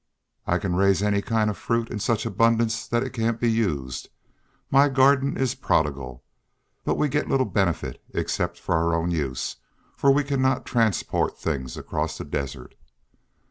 "I can raise any kind of fruit in such abundance that it can't be used. My garden is prodigal. But we get little benefit, except for our own use, for we cannot transport things across the desert."